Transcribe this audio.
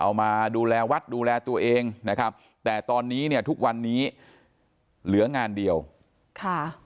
มาดูแลวัดดูแลตัวเองนะครับแต่ตอนนี้เนี่ยทุกวันนี้เหลืองานเดียวค่ะ